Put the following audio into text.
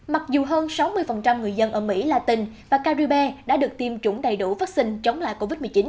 mặc dù hơn sáu mươi người dân ở mỹ la tình và caribe đã được tiêm chủng đầy đủ vắc xin chống lại covid một mươi chín